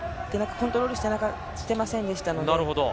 コントロールしていませんでしたので。